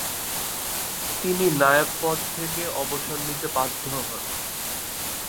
তিনি নায়েবপদ থেকে অবসর নিতে বাধ্য হন ।